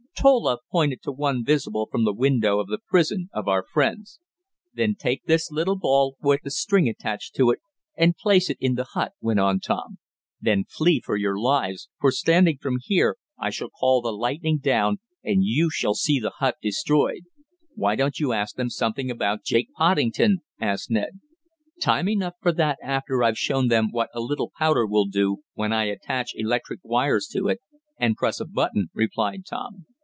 Tola pointed to one visible from the window of the prison of our friends. "Then take this little ball, with the string attached to it, and place it in the hut," went on Tom. "Then flee for your lives, for standing from here, I shall call the lightning down, and you shall see the hut destroyed." "Why don't you ask them something about Jake Poddington?" asked Ned. "Time enough for that after I've shown them what a little powder will do, when I attach electric wires to it and press a button," replied Tom.